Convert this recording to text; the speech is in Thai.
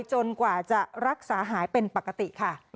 กว่าจะรักษาหายเป็นปกติค่ะ